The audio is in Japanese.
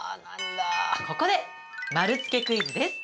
ここで丸つけクイズです。